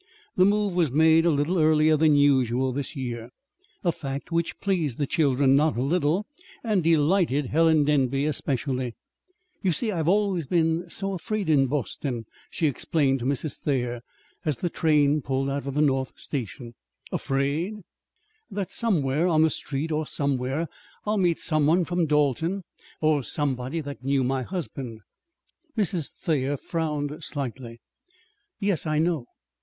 The move was made a little earlier than usual this year, a fact which pleased the children not a little and delighted Helen Denby especially. "You see, I'm always so afraid in Boston," she explained to Mrs. Thayer, as the train pulled out of the North Station. "Afraid?" "That somewhere on the street, or somewhere I'll meet some one from Dalton, or somebody that knew my husband." Mrs. Thayer frowned slightly. "Yes, I know.